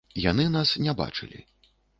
Яны нас не бачылі.